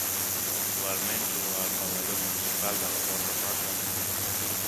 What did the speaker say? Actualment juga al Pavelló Municipal de la Torre Roja.